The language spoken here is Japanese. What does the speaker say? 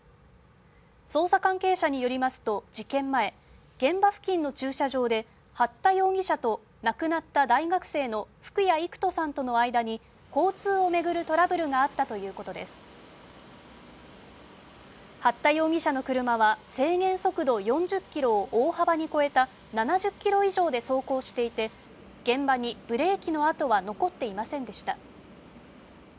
捜査関係者によりますと事件前現場付近の駐車場で八田容疑者と亡くなった大学生の福谷郁登さんとの間に交通を巡るトラブルがあったということです八田容疑者の車は制限速度４０キロを大幅に超えた７０キロ以上で走行していて現場にブレーキの跡は残っていませんでした